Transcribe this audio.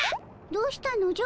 どうしたのじゃ？